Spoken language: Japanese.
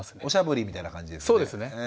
おしゃぶりみたいな感じですね。